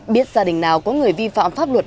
biết gia đình nào có người vi phạm pháp luật